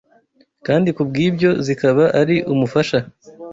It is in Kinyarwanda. kandi kubw’ibyo zikaba ari umufasha